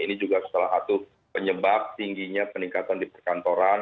ini juga salah satu penyebab tingginya peningkatan di perkantoran